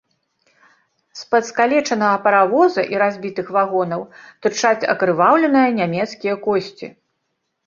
З-пад скалечанага паравоза і разбітых вагонаў тырчаць акрываўленыя нямецкія косці.